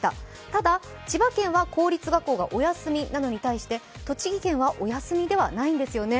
ただ、千葉県は公立学校がお休みなのに対して、栃木県はお休みではないんですよね。